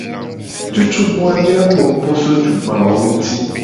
Cucugba mi la po nupo so tugbawo nguti.